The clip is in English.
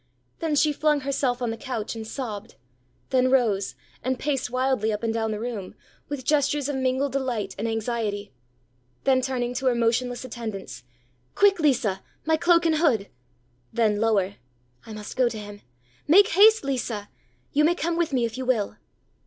ã Then she flung herself on the couch, and sobbed; then rose, and paced wildly up and down the room, with gestures of mingled delight and anxiety. Then turning to her motionless attendantsããQuick, Lisa, my cloak and hood!ã Then lowerããI must go to him. Make haste, Lisa! You may come with me, if you will.